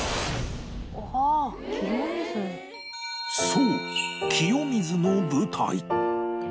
そう「清水の舞台」